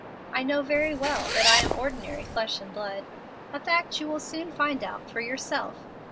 I know very well that I am ordinary flesh and blood, a fact that you will soon find out for yourself.